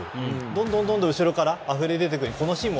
どんどん後ろからあふれ出てくる。